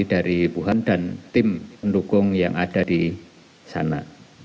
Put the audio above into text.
dari wuhan dan tim pendukung yang ada di sana